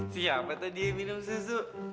siapa tadi minum susu